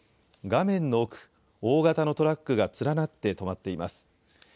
画面の奥、大型のトラックが連なって止まっています。